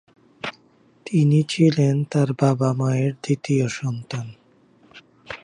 তিনি ছিলেন তার বাবা মায়ের দ্বিতীয় সন্তান।